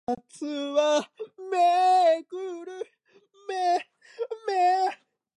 けれども実際彼の母が病気であるとすれば彼は固より帰るべきはずであった。